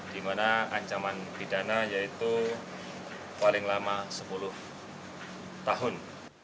di mana ancaman pidana yaitu paling lama sepuluh tahun